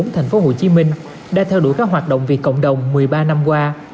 thành phố hồ chí minh đã theo đuổi các hoạt động việc cộng đồng một mươi ba năm qua